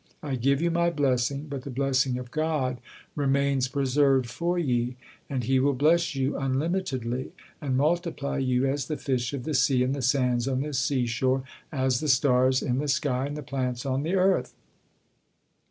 I give you my blessing, but the blessing of God remains preserved for ye, and He will bless you unlimitedly, and multiply you as the fish of the sea and the sands on the seashore, as the star in the sky and the plants on the earth."